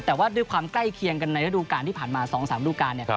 แต่ว่าด้วยความใกล้เคียงในระดูกาลที่ผ่านมาสองสามระดูกานเนี่ย